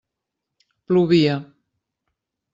Plovia.